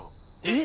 え！？